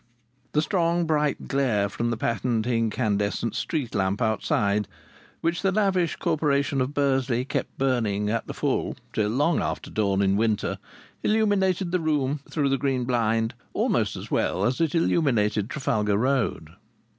The strong, bright glare from the patent incandescent street lamp outside, which the lavish Corporation of Bursley kept burning at the full till long after dawn in winter, illuminated the room (through the green blind) almost as well as it illuminated Trafalgar Road.